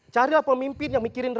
carilah pemimpin yang mikirin